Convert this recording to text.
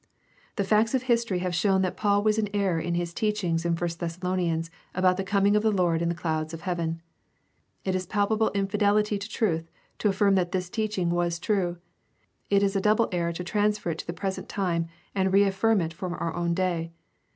The facts of history have shown that Paul was in error in his teaching in I Thessalonians about the coming of the Lord in the clouds of heaven. It is a palpable infidelity to truth to affirm that this teaching was true; it is a double error to transfer it to the present time and reaffirm it for our own day.